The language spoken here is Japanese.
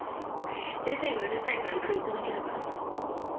先生がうるさいから一応行っただけだからさ。